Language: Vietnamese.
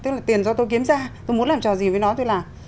tức là tiền do tôi kiếm ra tôi muốn làm trò gì với nói tôi làm